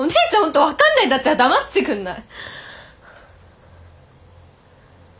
本当分かんないんだったら黙っててくんない？